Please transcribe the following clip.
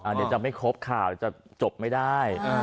อันนี้จะไม่ครบค่ะจะจบไม่ได้